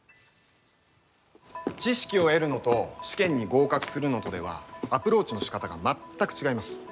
知識を得るのと試験に合格するのとではアプローチのしかたが全く違います。